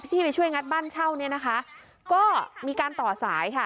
ที่ไปช่วยงัดบ้านเช่าเนี่ยนะคะก็มีการต่อสายค่ะ